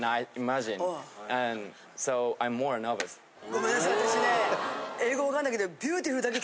ごめんなさい私ね。